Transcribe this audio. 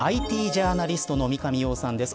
ＩＴジャーナリストの三上洋さんです。